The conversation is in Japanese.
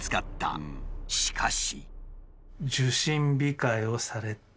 しかし。